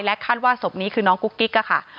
คาดว่าศพนี้คือน้องกุ๊กกิ๊กอะค่ะ